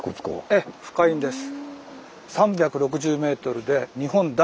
ええ深いんです。